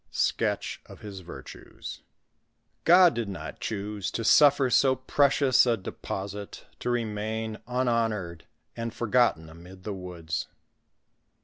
— SKETCH OF HIS VIRTUES. Gk)D did not choose to suffer so precious a deposite to remain unhonored and forgotten amid the woods.